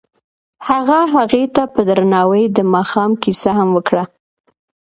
هغه هغې ته په درناوي د ماښام کیسه هم وکړه.